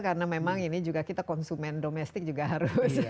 karena memang ini juga kita konsumen domestik juga harus